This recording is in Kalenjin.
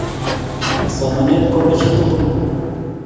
Somanet ko po chi tugul